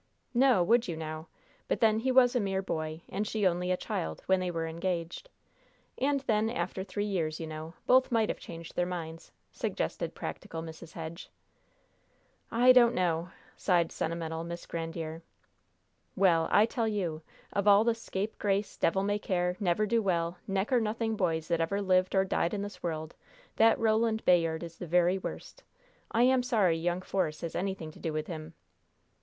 "No would you, now? But then he was a mere boy, and she only a child, when they were engaged; and then after three years, you know, both might have changed their minds," suggested practical Mrs. Hedge. "I don't know," sighed sentimental Miss Grandiere. "Well, I tell you, of all the scapegrace, devil may care, never do well, neck or nothing boys that ever lived or died in this world, that Roland Bayard is the very worst! I am sorry young Force has anything to do with him."